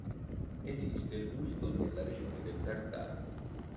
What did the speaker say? Esiste il busto nella regione del Tartar.